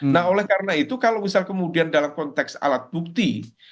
nah oleh karena itu kalau misal kemudian dalam konteks alat bukti